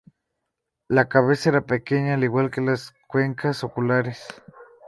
La cabeza era pequeña, al igual que las cuencas oculares.